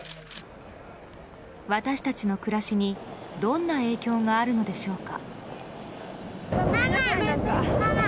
私たちの暮らしにどんな影響があるのでしょうか。